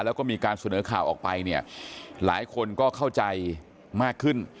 แล้วก็มีการเสนอข่าวออกไปเนี่ยหลายคนก็เข้าใจมากขึ้น